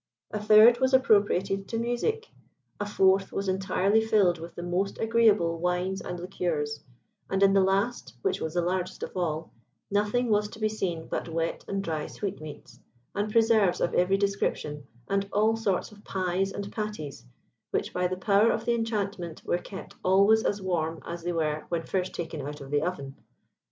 A third was appropriated to music, a fourth was entirely filled with the most agreeable wines and liqueurs, and in the last (which was the largest of all), nothing was to be seen but wet and dry sweetmeats, and preserves of every description, and all sorts of pies and patties, which by the power of the enchantment were kept always as warm as they were when first taken out of the oven.